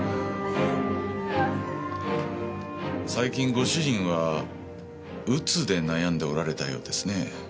最近ご主人はうつで悩んでおられたようですね。